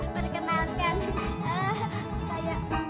perkenalkan saya emak